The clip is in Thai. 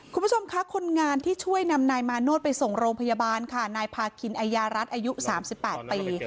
คุณผู้ชมคะคนงานที่ช่วยนำนายมาโนธไปส่งโรงพยาบาลค่ะนายพาคินอายารัฐอายุ๓๘ปี